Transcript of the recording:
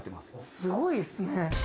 すごいっすね。